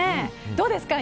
どうですか？